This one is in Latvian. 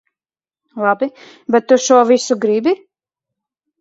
Labi, bet tu šo visu gribi?